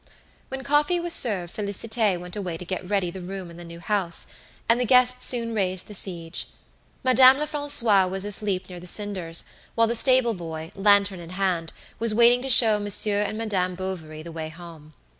When coffee was served Félicité went away to get ready the room in the new house, and the guests soon raised the siege. Madame Lefrancois was asleep near the cinders, while the stable boy, lantern in hand, was waiting to show Monsieur and Madame Bovary the way home.